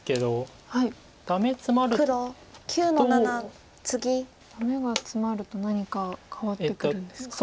ダメがツマると何か変わってくるんですか。